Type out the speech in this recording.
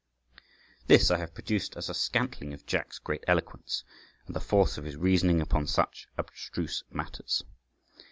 This I have produced as a scantling of Jack's great eloquence and the force of his reasoning upon such abstruse matters.